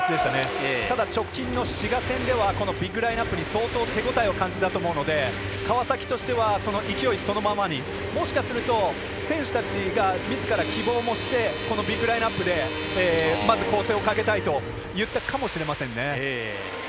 ただ、直近の滋賀戦ではこのビッグライン相当手応えを感じたと思うので川崎としては勢いそのままにもしかすると選手たちがみずから希望もしてこのビッグラインナップでまず攻勢をかけたいと言ったかもしれませんね。